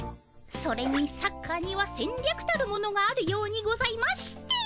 それにサッカーにはせんりゃくたるものがあるようにございまして。